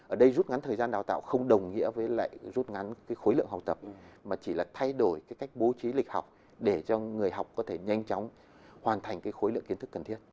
ở đây rút ngắn thời gian đào tạo không đồng nghĩa với lại rút ngắn cái khối lượng học tập mà chỉ là thay đổi cái cách bố trí lịch học để cho người học có thể nhanh chóng hoàn thành cái khối lượng kiến thức cần thiết